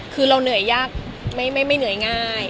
คือเราเหนื่อยยากไม่เหนื่อยง่าย